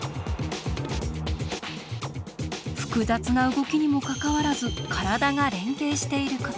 複雑な動きにもかかわらず体が連携していること。